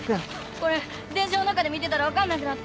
これ電車の中で見てたら分かんなくなって。